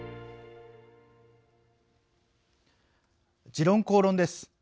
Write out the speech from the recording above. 「時論公論」です。